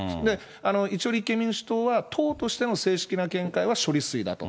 一応、立憲民主党は党としての正式な見解は処理水だと。